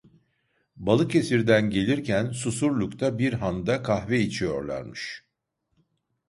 Balıkesir'den gelirken Susurluk'ta bir handa kahve içiyorlarmış.